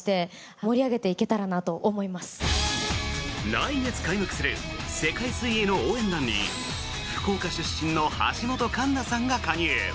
来月開幕する世界水泳の応援団に福岡出身の橋本環奈さんが加入。